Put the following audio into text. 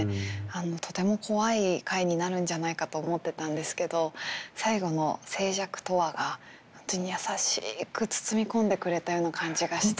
とても怖い回になるんじゃないかと思ってたんですけど最後の「静寂とは」が本当に優しく包み込んでくれたような感じがして。